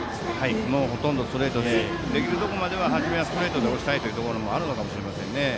もうほとんどストレートでできれば初めはストレートで押したいというところもあるのかもしれませんね。